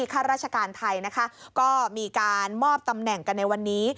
ข้าราชการไทยนะคะก็มีการมอบตำแหน่งกันในวันนี้